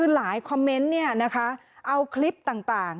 หลายคอมเมนต์เอาคลิปต่าง